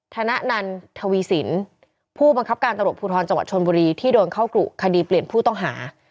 ธนานันทวีสินธนาลที่โดนเปลี่ยนเปลี่ยนผู้ต้องหา